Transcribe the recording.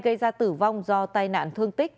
gây ra tử vong do tai nạn thương tích